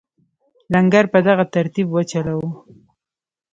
لنګر په دغه ترتیب وچلاوه.